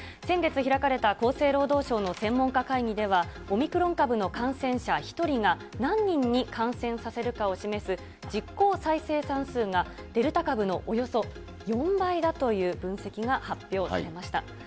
先月開かれた厚生労働省の専門家会議では、オミクロン株の感染者１人が何人に感染させるかを示す、実効再生産数がデルタ株のおよそ４倍だという分析が発表されました。